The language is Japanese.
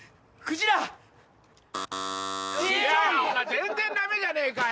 全然駄目じゃねえかよ！